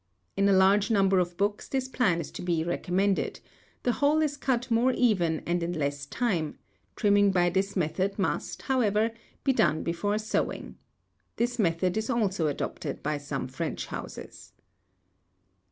In a large number of books this plan is to be recommended; the whole is cut more even and in less time; trimming by this method must, however, be done before sewing. This method is also adopted by some French houses.